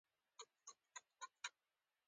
ایا زه باید د کیلي جوس وڅښم؟